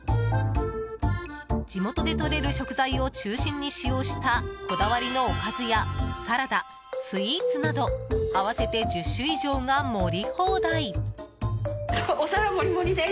地元で採れる食材を中心に使用したこだわりのおかずやサラダ、スイーツなど合わせて１０種以上が盛り放題。